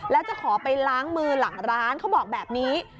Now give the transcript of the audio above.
แล้วจะขอไปล้างมือหลังร้านเขาบอกแบบนี้